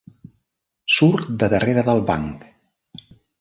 Surt de darrera del banc.